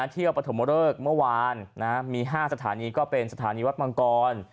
ปฐมเริกเมื่อวานมี๕สถานีก็เป็นสถานีวัดมังกร